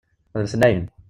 D letnayen.